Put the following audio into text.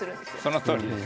そのとおりです。